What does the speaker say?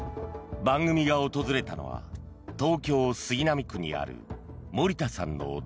番組が訪れたのは東京・杉並区にある森田さんのお宅。